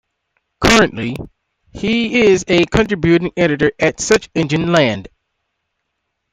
Currently, he is a contributing editor at Search Engine Land.